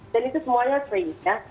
dan itu semuanya free ya